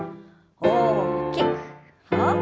大きく大きく。